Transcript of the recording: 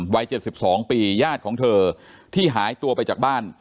วัยเจ็ดสิบสองปีญาติของเธอที่หายตัวไปจากบ้าน